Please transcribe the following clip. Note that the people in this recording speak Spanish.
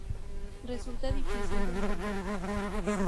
Resulta difícil de encontrar.